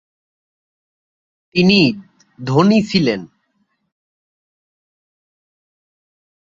তিনি ধনী ছিলেন।